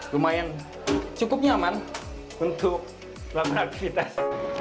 lumayan cukup nyaman untuk melakukan aktivitas